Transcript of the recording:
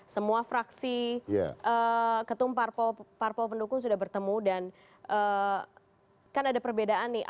semua fraksi ketum parpol pendukung sudah bertemu dan kan ada perbedaan nih